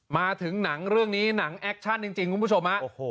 มาถึงหนังเรื่องนี้หนังแอคชั่นจริงคุณผู้ชมฮะ